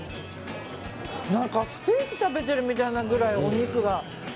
何かステーキ食べてるみたいなお肉が。